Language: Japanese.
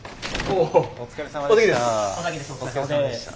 お疲れさまでした。